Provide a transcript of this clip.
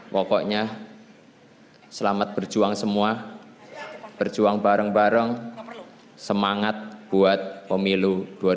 pokoknya selamat berjuang semua berjuang bareng bareng semangat buat pemilu dua ribu dua puluh